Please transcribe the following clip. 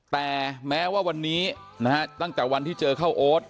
แต่แม้ว่าวันนี้นะฮะตั้งแต่วันที่เจอข้าวโอ๊ต